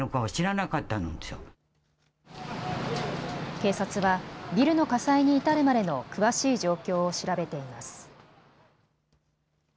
警察はビルの火災に至るまでの詳しい状況を調べています。